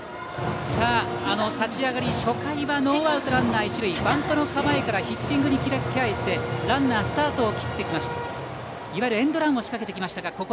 立ち上がり、初回はノーアウトランナー、一塁バントの構えからヒッティングに切り替えてランナーがスタートを切ってきました。